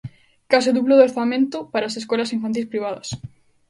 Case o duplo de orzamento para as escolas infantís privadas.